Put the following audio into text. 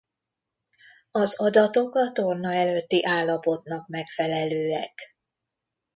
Az adatok a torna előtti állapotnak megfelelőek.